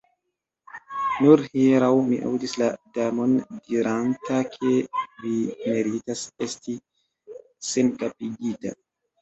"Nur hieraŭ mi aŭdis la Damon diranta ke vi meritas esti senkapigita."